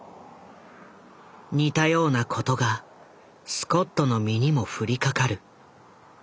似たようなことがスコットの身にも降りかかる。